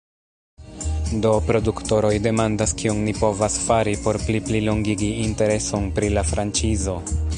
Do produktoroj demandas; kion ni povas fari por pli plilongigi intereson pri la franĉizo?